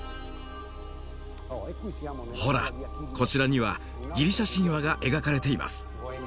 ほらこちらにはギリシャ神話が描かれています。